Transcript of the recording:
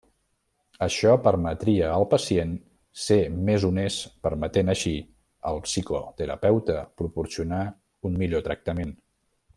Això permetria al pacient ser més honest permetent així al psicoterapeuta proporcionar un millor tractament.